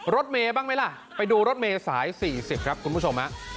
รถเมย์บ้างไหมล่ะไปดูรถเมย์สาย๔๐ครับคุณผู้ชมฮะ